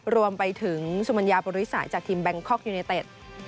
รวมไปถึงสุมัญญาบริสายจากทีมแบงคอกยูเนเต็ด